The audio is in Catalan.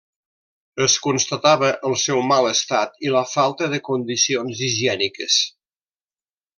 Es constatava el seu mal estat i la falta de condicions higièniques.